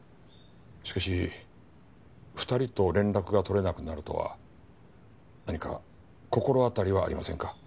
しかし２人と連絡が取れなくなるとは何か心当たりはありませんか？